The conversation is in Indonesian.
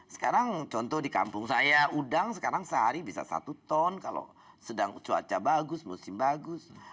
sekarang contoh di kampung saya udang sekarang sehari bisa satu ton kalau cuaca bagus musim bagus